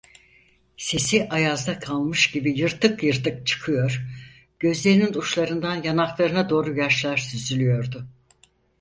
Sesi, ayazda kalmış gibi yırtık yırtık çıkıyor, gözlerinin uçlarından yanaklarına doğru yaşlar süzülüyordu.